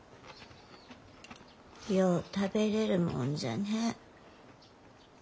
よう食べれるもんじゃね。